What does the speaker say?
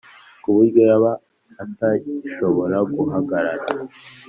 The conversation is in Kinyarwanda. ku buryo yaba atagishobora guhagarara